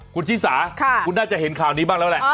คุณชิสาคุณน่าจะเห็นข่าวนี้บ้างแล้วแหละ